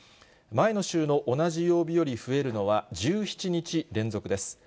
前の週の同じ曜日より増えるのは１７日連続です。